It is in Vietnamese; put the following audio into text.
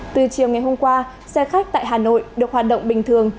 từ chiều ngày hôm qua xe khách tại hà nội được hoạt động bình thường